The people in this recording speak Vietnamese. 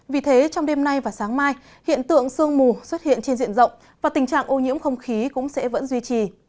vì thế trong đêm nay và sáng mai hiện tượng sương mù xuất hiện trên diện rộng và tình trạng ô nhiễm không khí cũng sẽ vẫn duy trì